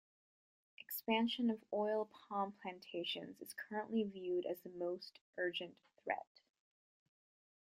Expansion of oil palm plantations is currently viewed as the most urgent threat.